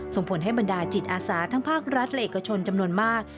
ส่งผลให้บรรดาจิตอาสาทั้งภาครัฐและเอกชนจำนวนมาก